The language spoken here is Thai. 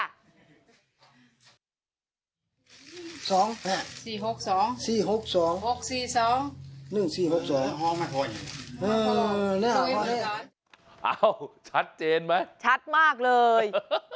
สองสี่หกสองสี่หกสองหกสี่สองหนึ่งสี่หกสองอ๋อชัดเจนไหมชัดมากเลย